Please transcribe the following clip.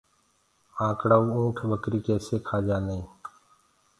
آنڪڙآئو اُنٺ ٻڪري ڪيسي کآ جآندآئين